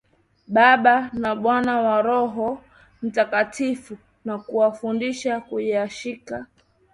Baba na Mwana na Roho Mtakatifu na kuwafundisha kuyashika